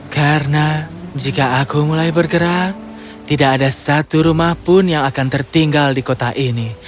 karena jika aku mulai bergerak tidak ada satu rumah pun yang akan tertinggal di kota ini